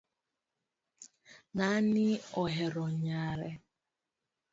Ng'ani ohero nyare